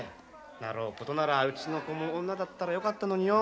なろうことならうちの子も女だったらよかったのによ。